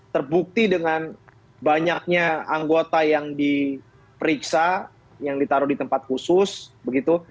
terbukti dengan banyaknya anggota yang diperiksa yang ditaruh di tempat khusus begitu